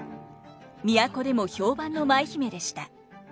都でも評判の舞姫でした。